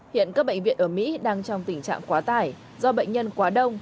hiện các bệnh viện ở mỹ đang trong tình trạng quá tải do bệnh nhân quá đông